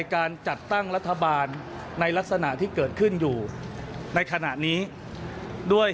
การต่อไปนี้นะครับ